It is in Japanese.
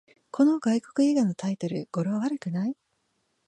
この外国映画のタイトル、語呂悪くない？